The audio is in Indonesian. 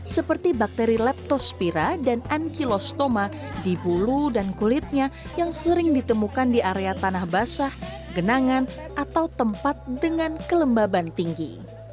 seperti bakteri leptospira dan ankylostoma di bulu dan kulitnya yang sering ditemukan di area tanah basah genangan atau tempat dengan kelembaban tinggi